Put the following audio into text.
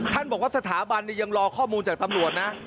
บอกว่าสถาบันยังรอข้อมูลจากตำรวจนะ